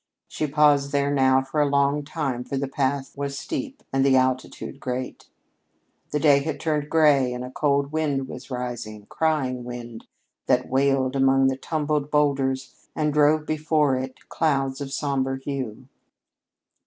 She paused there now for a long time, for the path was steep and the altitude great. The day had turned gray and a cold wind was arising crying wind, that wailed among the tumbled boulders and drove before it clouds of somber hue.